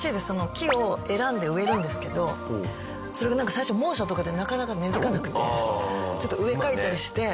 木を選んで植えるんですけどそれがなんか最初猛暑とかでなかなか根付かなくてちょっと植え替えたりして。